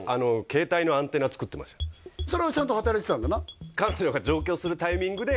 それはちゃんと働いてたんだな？